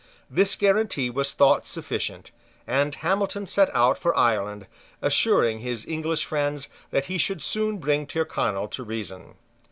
This guarantee was thought sufficient; and Hamilton set out for Ireland, assuring his English friends that he should soon bring Tyrconnel to reason.